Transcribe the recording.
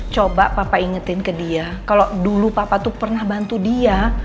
coba papa ingetin ke dia kalau dulu papa tuh pernah bantu dia